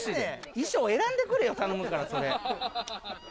衣装選んでくれよ頼むからそれ。